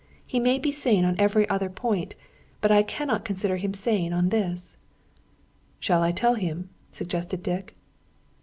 He may be sane on every other point. I cannot consider him sane on this." "Shall I tell him?" suggested Dick.